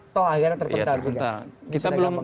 atau akhirnya terpental juga